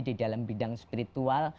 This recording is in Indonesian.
di dalam bidang spiritual